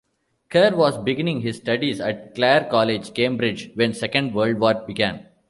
Kerr was beginning his studies at Clare College, Cambridge when Second World War began.